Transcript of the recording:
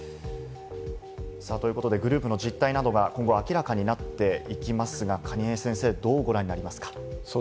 グループの実態などが今後、明らかになっていきますが、蟹江先生、どうご覧になりますか？